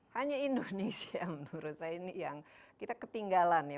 hanya indonesia menurut saya ini yang kita ketinggalan ya